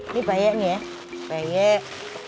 ini payek nih ya payek